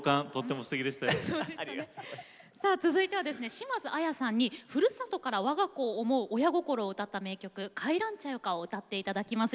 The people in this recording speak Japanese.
続いては島津亜矢さんにふるさとからわが子を思う親心を歌った名曲「帰らんちゃよか」を歌っていただきます。